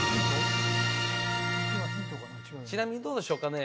ちなみにどうでしょうかね？